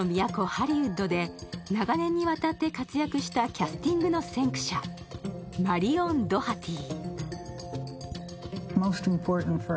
ハリウッドで長年にわたって活躍したキャスティングの先駆者、マリオン・ドハティ。